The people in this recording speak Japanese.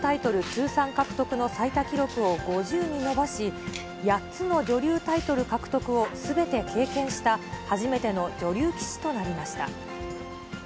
通算獲得の最多記録を５０に伸ばし、８つの女流タイトル獲得をすべて経験した、初めての女流棋士となりました。